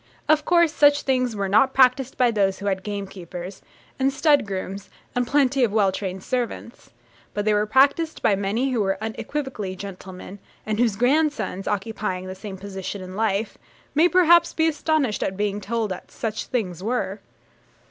Of course, such things were not practised by those who had gamekeepers, and stud grooms, and plenty of well trained servants; but they were practised by many who were unequivocally gentlemen, and whose grandsons, occupying the same position in life, may perhaps be astonished at being told that 'such things were.'